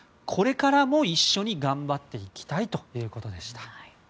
これからも一緒に頑張っていきたいということでした。